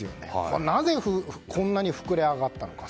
なぜこんなに膨れ上がったのか。